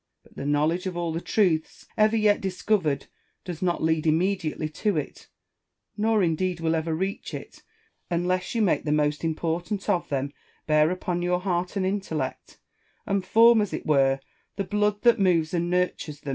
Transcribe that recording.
But the knowledge of all the truths ever yet discovered does not lead immediately to it, nor indeed will ever reach it, unless you make the more importaiit of them bear upon your heart and intellect, and form, as it were, the blood that moves and nurtures them.